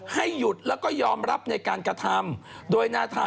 ให้หยุดแล้วก็ยอมรับในการกระทำ